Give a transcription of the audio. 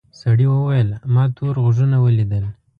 سړي وویل ما تور غوږونه ولیدل.